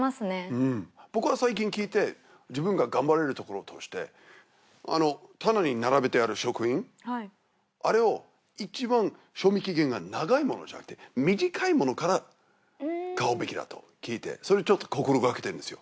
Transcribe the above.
うん僕は最近聞いて自分が頑張れるところとしてあの棚に並べてある食品あれをいちばん賞味期限が長いものじゃなくて短いものから買うべきだと聞いてそれちょっと心がけてるんですよ